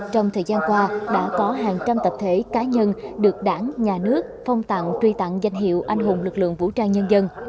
trong thời gian qua đã có hàng trăm tập thể cá nhân được đảng nhà nước phong tặng truy tặng danh hiệu anh hùng lực lượng vũ trang nhân dân